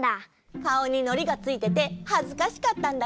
かおにのりがついててはずかしかったんだね。